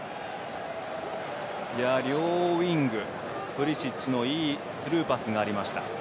両ウィング、プリシッチのいいスルーパスがありました。